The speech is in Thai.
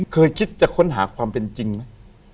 เคยคิดจะค้นหาความเป็นจริงไหม